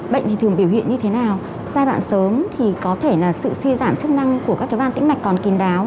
bệnh thường biểu hiện như thế nào giai đoạn sớm có thể là sự suy giãn chức năng của các van tĩnh mạch còn kín đáo